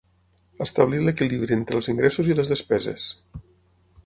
Establir l'equilibri entre els ingressos i les despeses.